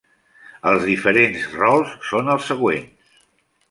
Els diferents rols són els següents: